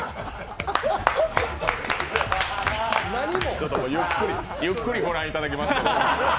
ちょっとゆっくりご覧いただきます。